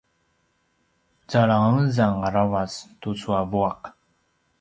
zalangezang aravac tucu a vuaq